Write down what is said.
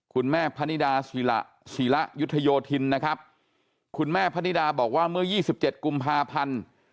คุณแม่พนิดาศิละศิระยุทธโยธินนะครับคุณแม่พนิดาบอกว่าเมื่อ๒๗กุมภาพันธ์